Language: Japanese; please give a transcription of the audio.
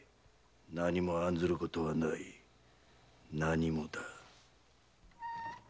何も案ずることはない何もだ。